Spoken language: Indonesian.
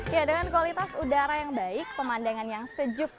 ya dengan kualitas udara yang baik pemandangan yang sejuk